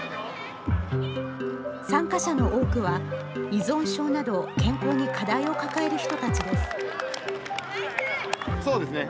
参加者の多くは依存症など健康に課題を抱える人たちです。